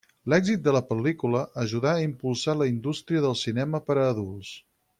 L'èxit de la pel·lícula ajudà a impulsar la indústria del cinema per a adults.